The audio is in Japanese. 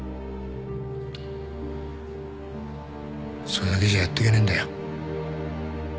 それだけじゃやってけねえんだよ。